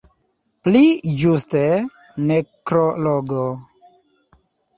Pli ĝuste nekrologo!